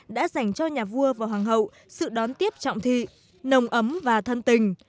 đã dành cho nhà vua và hoàng hậu sự đón tiếp trọng thị nồng ấm và thân tình